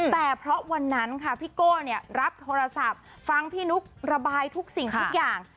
แต่เพราะวันนั้นค่ะพี่โก้รับโทรศัพท์ฟังพี่นุ๊กระบายทุกสิ่งทุกอย่าง